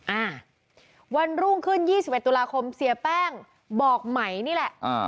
อ่าวันรุ่งขึ้น๒๑ตุลาคมเสียแป้งบอกไหมนี่แหละอ่า